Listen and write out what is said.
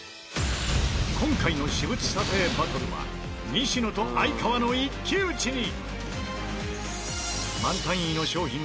今回の私物査定バトルは西野と哀川の一騎打ちに！